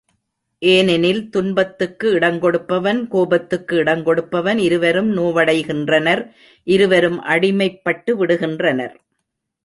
ஏனெனில் துன்பத்துக்கு இடங்கொடுப்பவன், கோபத்துக்கு இடங்கொடுப்பவன் இருவரும் நோவடைகின்றனர், இருவரும் அடிமைப்பட்டுவிடுகின்றனர்.